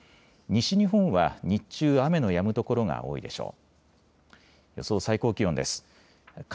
西日本は日中、雨のやむ所が多いでしょう。